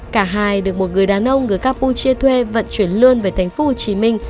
cả hai được một người đàn ông người campuchia thuê vận chuyển lươn về thành phố hồ chí minh